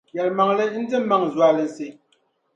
Yɛlimaŋli ndi n-maŋ zualinsi.